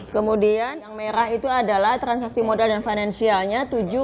kemudian yang merah itu adalah transaksi modal dan finansialnya